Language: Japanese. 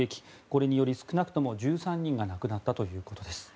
これにより少なくとも１３人が亡くなったということです。